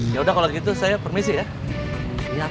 ya udah kalau gitu saya permisi ya